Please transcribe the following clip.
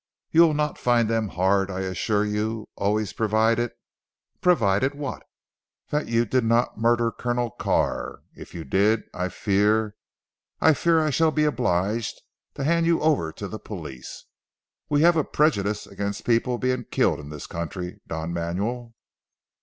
You will not find them hard I assure you always provided " "Provided what?" "That you did not murder Colonel Carr. If you did, I fear I fear I shall be obliged to hand you over to the police. We have a prejudice against people being killed in this country, Don Manuel."